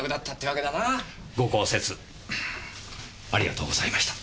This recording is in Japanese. ご高説ありがとうございました。